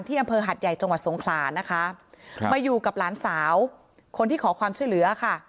อำเภอหัดใหญ่จังหวัดสงขลานะคะครับมาอยู่กับหลานสาวคนที่ขอความช่วยเหลือค่ะ